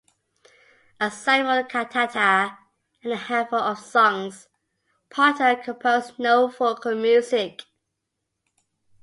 Aside from a cantata and a handful of songs, Potter composed no vocal music.